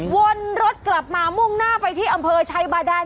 วนรถกลับมามุ่งหน้าไปที่อำเภอชัยบาดาน